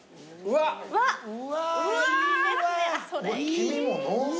黄身も濃厚。